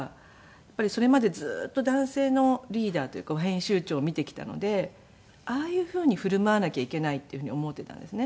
それまでずっと男性のリーダーというか編集長を見てきたのでああいうふうに振る舞わなきゃいけないっていうふうに思っていたんですね。